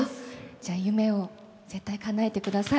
じゃあ、夢を絶対にかなえてください。